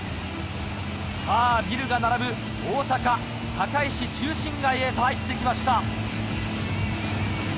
さぁビルが並ぶ大阪・堺市中心街へと入ってきました。